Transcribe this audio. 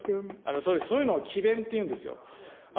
総理、そういうの奇弁っていうんですよ。